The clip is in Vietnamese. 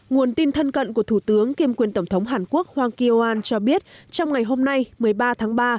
nguồn tin thân cận của thủ tướng kiêm quyền tổng thống hàn quốc hoàng kyoan cho biết trong ngày hôm nay một mươi ba tháng ba